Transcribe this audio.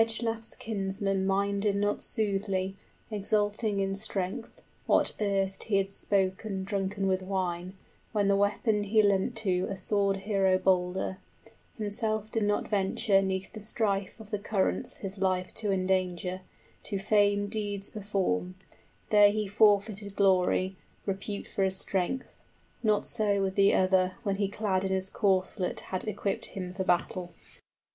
} Ecglaf's kinsman minded not soothly, 80 Exulting in strength, what erst he had spoken Drunken with wine, when the weapon he lent to A sword hero bolder; himself did not venture 'Neath the strife of the currents his life to endanger, To fame deeds perform; there he forfeited glory, 85 Repute for his strength. Not so with the other When he clad in his corslet had equipped him for battle.